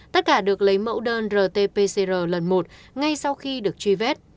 tất cả được lấy mẫu đơn rt pcr lần một ngay sau khi được truy vết